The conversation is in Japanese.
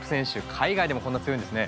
海外でもこんな強いんですね。